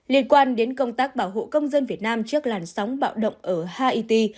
liên quan đến công tác bảo hộ công dân việt nam trước làn sóng bạo động ở haity